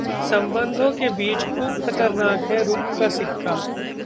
संबंधों के बीच खूब खनकता है रूप का सिक्का